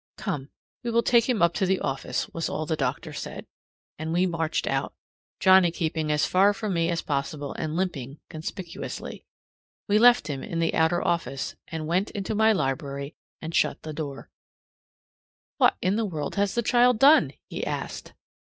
"Come, we will take him up to the office," was all the doctor said. And we marched out, Johnnie keeping as far from me as possible and limping conspicuously. We left him in the outer office, and went into my library and shut the door. "What in the world has the child done?" he asked.